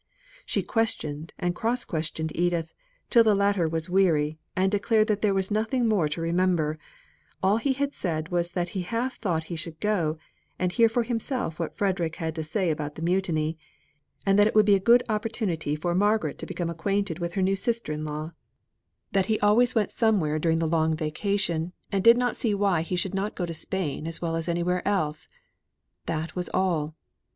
She questioned and cross questioned Edith, till the latter was weary, and declared that there was nothing more to remember; all he had said was that he half thought he should go, and hear for himself what Frederick had to say about the mutiny; and that it would be a good opportunity for Margaret to become acquainted with her new sister in law; that he always went somewhere during the long vacation, and did not see why he should not go to Spain as well as anywhere else. That was all.